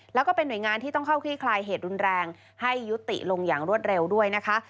แล้วก็เป็นหน่วยงานที่ต้องเข้าคลี่คลายเหตุรุนแรงให้ยุติลงอย่างรวดเร็วด้วยนะคะ